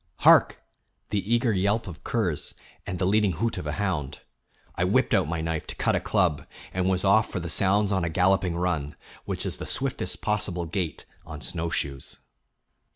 Hark! the eager yelp of curs and the leading hoot of a hound. I whipped out my knife to cut a club, and was off for the sounds on a galloping run, which is the swiftest possible gait on snowshoes.